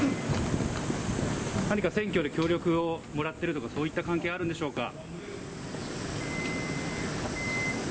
何か選挙に協力をもらっているとか、そういう関係はあるんでしょうか。